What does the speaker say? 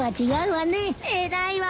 偉いわ。